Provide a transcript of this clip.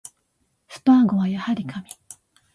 スパーゴはやはり神